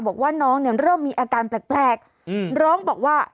บอกว่าน้องเนี่ยเริ่มมีอาการแปลกร้องบอกว่า